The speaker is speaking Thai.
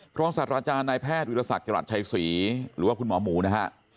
รองศาสตราจารย์นายแพทย์วิทยาศักดิ์จรัสชัยศรีหรือว่าคุณหมอหมูนะฮะ